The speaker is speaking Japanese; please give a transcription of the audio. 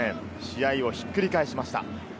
試合をひっくり返しました。